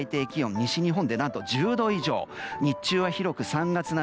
西日本で１２度以上日中は広く３月並み。